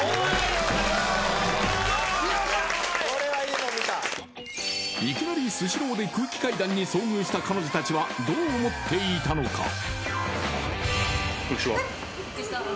［いきなりスシローで空気階段に遭遇した彼女たちはどう思っていたのか？］